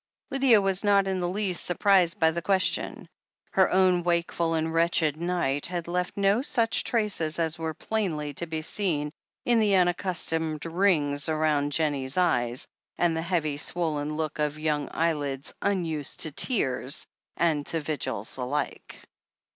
Lydia was not in the least surprised by the question. Her own wakeful and wretched night had left no such traces as were plainly to be seen in the unaccustomed rings round Jennie's eyes, and the heavy, swollen look of young eyelids unused to tears and to vigils alike.